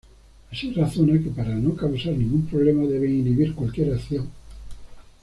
Así razona que para no causar ningún problema, debe inhibir cualquier acción.